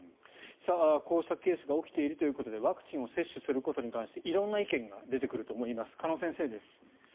こうしたケースが起きているということでワクチンを接種することに関して色んな意見が出てくると思います鹿野先生です。